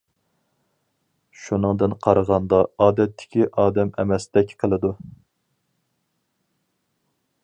شۇنىڭدىن قارىغاندا ئادەتتىكى ئادەم ئەمەستەك قىلىدۇ.